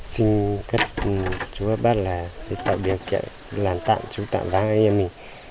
xin các chú bác là sẽ tạo điều kiện làm tạm chú tạm vang anh em mình